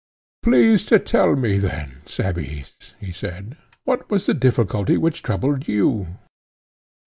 Please to tell me then, Cebes, he said, what was the difficulty which troubled you?